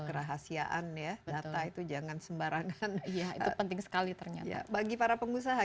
kerahasiaan ya data itu jangan sembarangan ya itu penting sekali ternyata bagi para pengusaha